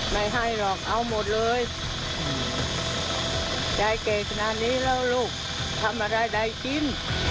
ไม่ให้หรอกเอาหมดเลยน่ะใจเก่งก็ด่านี้แล้วลูกทำอะไรได้กิน